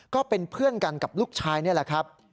ก็เป็นเพื่อนกันกับลูกชายนี่แหละครับ